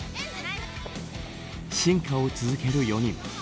進化を続ける４人。